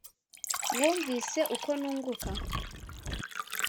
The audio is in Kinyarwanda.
Wumvise uko nunguka,